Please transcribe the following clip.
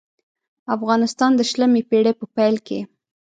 افغانستان د شلمې پېړۍ په پېل کې.